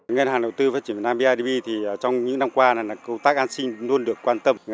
ngân hàng đầu tư và phát triển việt nam bidv trong những năm qua là công tác an sinh luôn được quan tâm